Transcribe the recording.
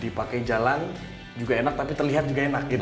dipakai jalan juga enak tapi terlihat juga enak gitu